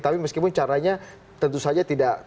tapi meskipun caranya tentu saja tidak